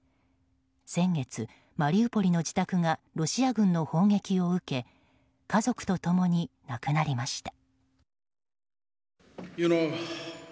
先月、マリウポリの自宅がロシア軍の攻撃を受け家族と共に亡くなりました。